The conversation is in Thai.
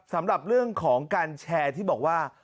สำหรับเรื่องของการแชร์ที่บอกว่า